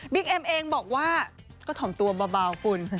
เอ็มเองบอกว่าก็ถ่อมตัวเบาคุณ